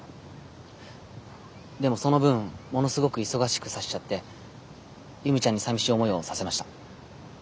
でもその分ものすごく忙しくさせちゃって由美ちゃんに寂しい思いをさせました。